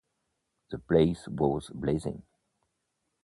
The place was blazing.